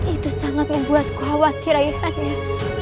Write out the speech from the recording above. itu sangat membuatku khawatir ayah anda